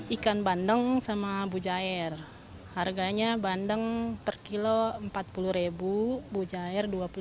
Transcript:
ikan bandeng sama bujair harganya bandeng per kilo rp empat puluh bujair dua puluh lima